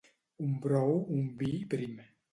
Un brou, un vi, prim.